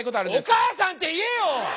「お母さん」って言えよ！